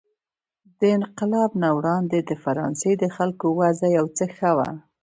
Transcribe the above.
د انقلاب نه وړاندې د فرانسې د خلکو وضع یو څه ښه وه.